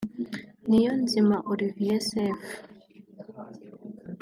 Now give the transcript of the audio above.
Niyonzima Olivier Seff